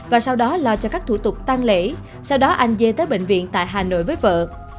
và sau đó lo cho các thủ tục tăng lễ sau đó anh dê tới bệnh viện tại hà nội với vợ